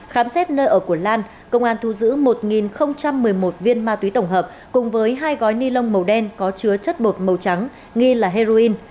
khám xét nơi ở của lan công an thu giữ một một mươi một viên ma túy tổng hợp cùng với hai gói ni lông màu đen có chứa chất bột màu trắng nghi là heroin